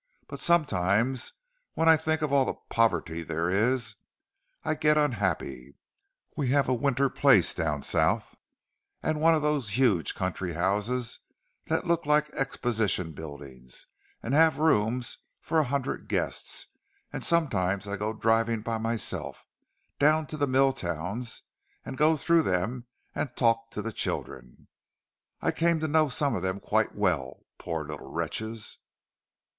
But sometimes, when I think of all the poverty there is, I get unhappy. We have a winter place down South—one of those huge country houses that look like exposition buildings, and have rooms for a hundred guests; and sometimes I go driving by myself, down to the mill towns, and go through them and talk to the children. I came to know some of them quite well—poor little wretches."